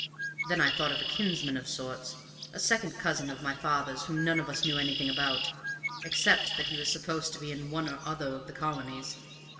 Then I thought of a kinsman of sorts, a second cousin of my father's whom none of us knew anything about, except that he was supposed to be in one or other of the Colonies.